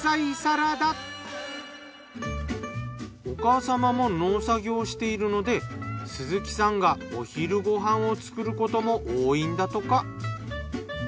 お母様も農作業しているので鈴木さんがお昼ご飯を作ることも多いんだとか。